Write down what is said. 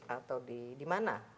atau di mana